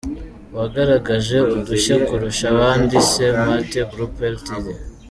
Uwagaragaje udushya kurusha abandi: S-Mate Group ltd.